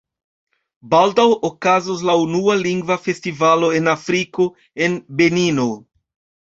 Baldaŭ okazos la unua Lingva Festivalo en Afriko, en Benino.